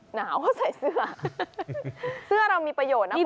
หนาวเขาใส่เสื้อเสื้อเรามีประโยชน์นะคุณ